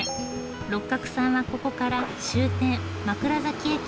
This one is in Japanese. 六角さんはここから終点枕崎駅を目指します。